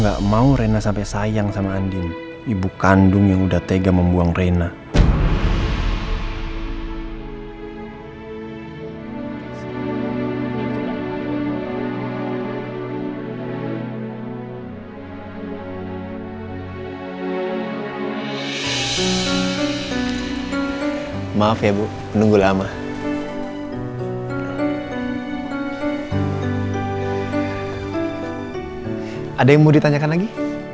ada yang mau ditanyakan lagi